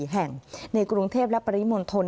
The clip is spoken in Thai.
๔แห่งในกรุงเทพและปริมณฑล